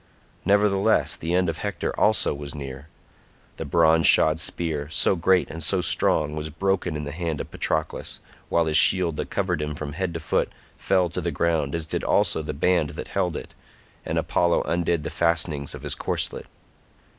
Nevertheless the end of Hector also was near. The bronze shod spear, so great and so strong, was broken in the hand of Patroclus, while his shield that covered him from head to foot fell to the ground as did also the band that held it, and Apollo undid the fastenings of his corslet.